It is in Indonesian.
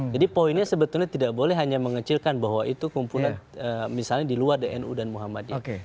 jadi poinnya sebetulnya tidak boleh hanya mengecilkan bahwa itu kumpulan misalnya di luar nu dan muhammadiyah